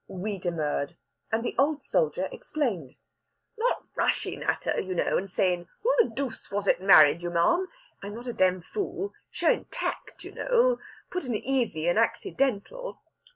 We demurred, and the old soldier explained. "Not rushin' at her, you know, and sayin', 'Who the dooce was it married you, ma'am?' I'm not a dam fool. Showin' tact, you know puttin' it easy and accidental.